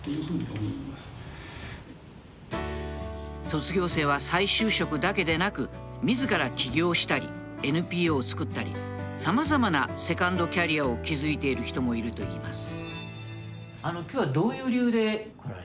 卒業生は再就職だけでなく自ら起業したりＮＰＯを作ったりさまざまなセカンドキャリアを築いている人もいるといいます